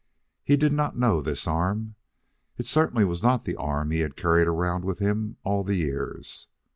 He did not know this arm. It certainly was not the arm he had carried around with him all the years.